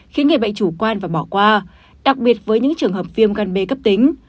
khiến người bệnh chủ quan và bỏ qua đặc biệt với những trường hợp viêm gan b cấp tính